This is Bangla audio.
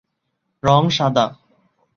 রং সাদা।